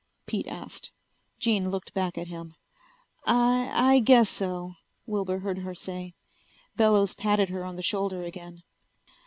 Pete asked. Jean looked back at him. "I I guess so," Wilbur heard her say. Bellows patted her on the shoulder again.